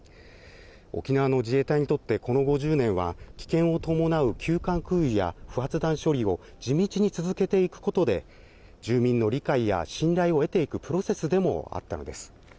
沖縄の自衛隊にとって、この５０年は危険を伴う急患空輸や不発弾処理を地道に続けていくことで、住民の理解や信頼を得ていくプロセスでもあったのです。